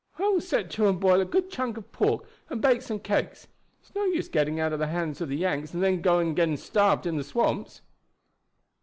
I will set to and boil a good chunk of pork and bake some cakes. It's no use getting out of the hands of the Yanks and then going and getting starved in the swamps."